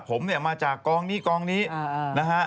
ผมเนี่ยมาจากกองนี้กองนี้นะฮะ